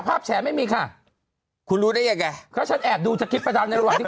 ภาพแฉะไม่มีค่ะคุณรู้ได้ไงใครเพราะฉันแอบดูในระหว่างที่คุณอ่าน